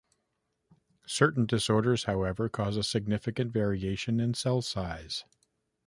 Certain disorders, however, cause a significant variation in cell size.